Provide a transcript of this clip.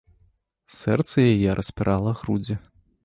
Сэрца яе распірала грудзі.